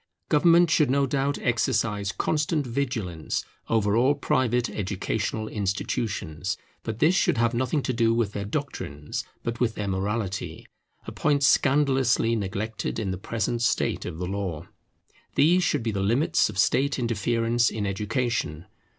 Government should no doubt exercise constant vigilance over all private educational institutions; but this should have nothing to do with their doctrines, but with their morality, a point scandalously neglected in the present state of the law. These should be the limits of state interference in education.